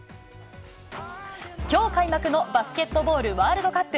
きょう開幕のバスケットボールワールドカップ。